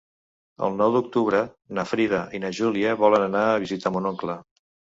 El nou d'octubre na Frida i na Júlia volen anar a visitar mon oncle.